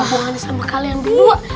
apa hubungannya sama kalian berdua